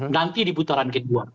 nanti di butaran kiduan